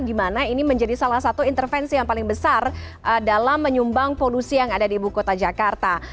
di mana ini menjadi salah satu intervensi yang paling besar dalam menyumbang polusi yang ada di ibu kota jakarta